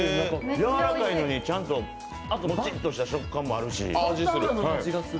やわらかいのにちゃんと、もちっとした食感もあるし。